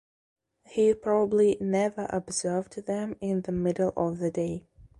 He Probably never observed them in the middle of the day.